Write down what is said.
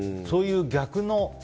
そういう逆の。